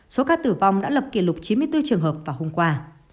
số ca tử vong đã lập kỷ lục chín mươi bốn trường hợp vào hôm qua